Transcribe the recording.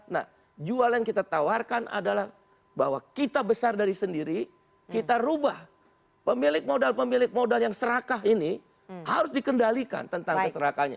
nah jualan kita tawarkan adalah bahwa kita besar dari sendiri kita rubah pemilik modal pemilik modal yang serakah ini harus dikendalikan tentang keserakannya